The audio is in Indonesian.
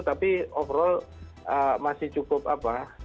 tapi overall masih cukup apa